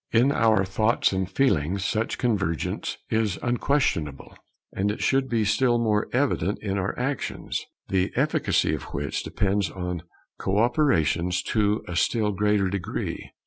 In our thoughts and feelings such convergence is unquestionable; and it should be still more evident in our actions, the efficacy of which depends on co operations to a still greater degree.